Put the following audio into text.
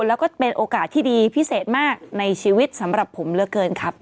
แล้วก็เป็นโอกาสที่ดีพิเศษมากในชีวิตสำหรับผมเหลือเกินครับ